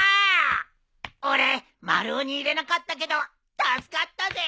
俺丸尾に入れなかったけど助かったぜ！